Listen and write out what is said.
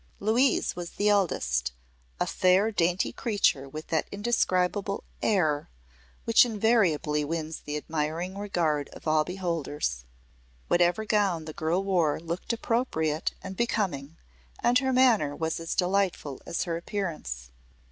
Louise was the eldest a fair, dainty creature with that indescribable "air" which invariably wins the admiring regard of all beholders. Whatever gown the girl wore looked appropriate and becoming, and her manner was as delightful as her appearance.